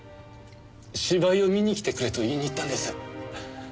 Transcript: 芝居を見に来てくれと言いに行ったんです。